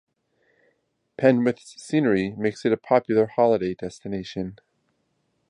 Penwith's scenery makes it a popular holiday destination.